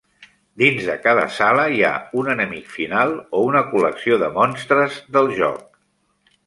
Dins de cada sala hi ha un enemic final o una col·lecció de monstres del joc.